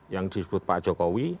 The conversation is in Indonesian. yang disebut pak jokowi